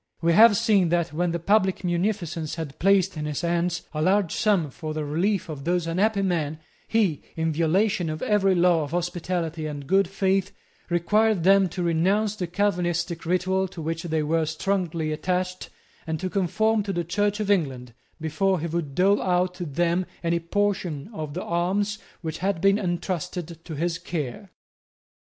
We have seen that, when the public munificence had placed in his hands a large sum for the relief of those unhappy men, he, in violation of every law of hospitality and good faith, required them to renounce the Calvinistic ritual to which they were strongly attached, and to conform to the Church of England, before he would dole out to them any portion of the alms which had been entrusted to his care.